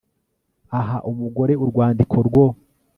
aha umugore urwandiko rwo